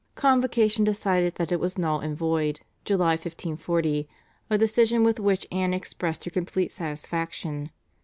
Convocation decided that it was null and void (July 1540), a decision with which Anne expressed her complete satisfaction.